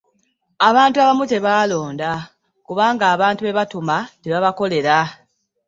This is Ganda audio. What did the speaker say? Abantu abamu tebalonda kubanga abantu be batuma tebabakolera.